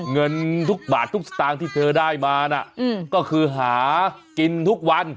เงินทุกบาททุกสตางค์ที่เธอได้มานะก็คือหากินทุกวัน